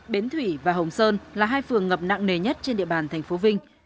bến thủy và hồng sơn là hai phường ngập nặng nề nhất trên địa bàn thành phố vinh